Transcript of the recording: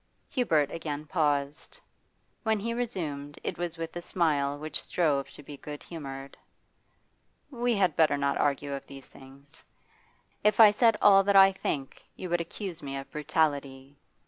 Hubert again paused. When he resumed it was with a smile which strove to be good humoured. 'We had better not argue of these things. If I said all that I think you would accuse me of brutality.